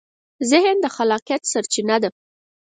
ذهن د خلاقیت سرچینه ده.